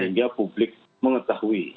sehingga publik mengetahui